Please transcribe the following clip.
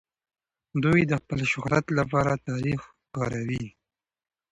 دوی د خپل شهرت لپاره تاريخ کاروي.